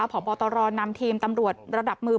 พบตรนำทีมตำรวจระดับมือ